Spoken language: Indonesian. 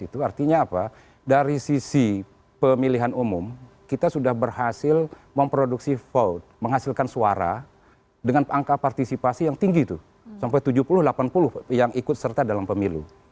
itu artinya apa dari sisi pemilihan umum kita sudah berhasil memproduksi vote menghasilkan suara dengan angka partisipasi yang tinggi itu sampai tujuh puluh delapan puluh yang ikut serta dalam pemilu